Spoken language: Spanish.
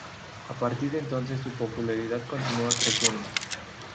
A partir de entonces su popularidad continua creciendo.